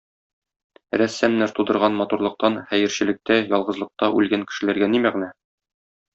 Рәссамнар тудырган матурлыктан хәерчелектә, ялгызлыкта үлгән кешеләргә ни мәгънә?